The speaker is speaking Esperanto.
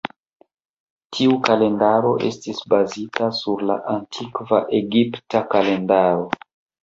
Tiu kalendaro estis bazita sur la antikva Egipta kalendaro.